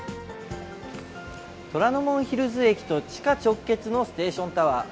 虎ノ門ヒルズ駅と地下直結のステーションタワー。